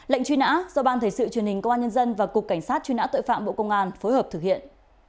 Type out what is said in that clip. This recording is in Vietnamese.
lệnh truy nã do ban thể sự truyền hình công an nhân dân và cục cảnh sát truy nã tội phạm bộ công an phối hợp thực hiện